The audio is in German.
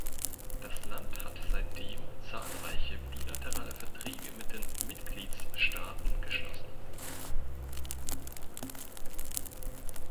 Das Land hat seitdem zahlreiche bilaterale Verträge mit Mitgliedsstaaten geschlossen.